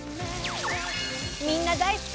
みんな大好き！